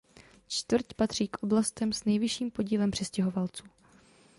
Čtvrť patří k oblastem s nejvyšším podílem přistěhovalců.